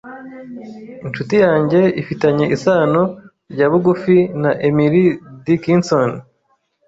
Inshuti yanjye ifitanye isano rya bugufi na Emily Dickinson.